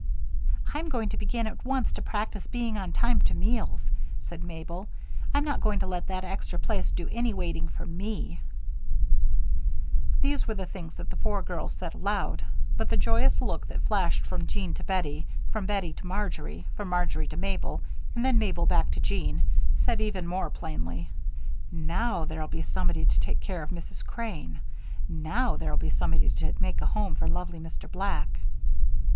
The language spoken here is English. "I'm going to begin at once to practice being on time to meals," said Mabel. "I'm not going to let that extra place do any waiting for me." These were the things that the four girls said aloud; but the joyous look that flashed from Jean to Bettie, from Bettie to Marjory, from Marjory to Mabel, and from Mabel back again to Jean, said even more plainly: "Now there'll be somebody to take care of Mrs. Crane. Now there'll be somebody to make a home for lonely Mr. Black."